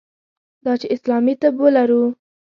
دا چې اسلامي طب ولرو.